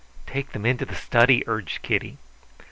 "Take them into the study," urged Kitty.